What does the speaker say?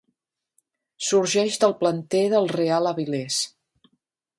Sorgeix del planter del Real Avilés.